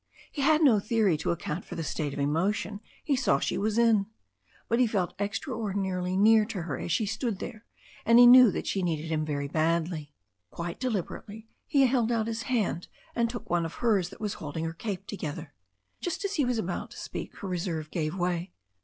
He had no theory to account for the state of emotion he saw she was in. But he felt extraordinarily near to her as she stood there, and he knew that she needed him very badly. Quite deliberately he held out his hand and took one of hers that was holding her cape together. Just as he was about to speak her reserve gave way.